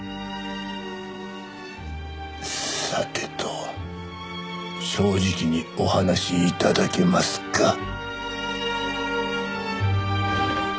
さてと正直にお話し頂けますか？